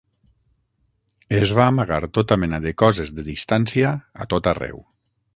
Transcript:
Es va amagar tota mena de coses de distància, a tot arreu.